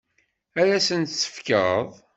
Ad asen-t-tefkeḍ?